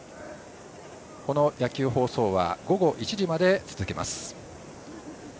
この野球放送は午後１時まで続けます。